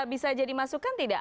bisa jadi masukkan tidak